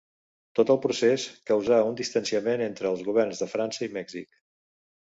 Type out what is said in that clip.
Tot el procés causà un distanciament entre els governs de França i Mèxic.